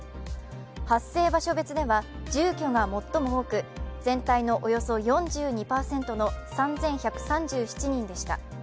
発生場所別では住居が最も多く全体のおよそ４２％の３１３７人でした。